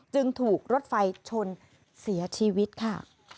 จึงถูกรถไฟชนเสียชีวิตค่ะ